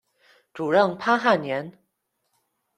主任潘汉年。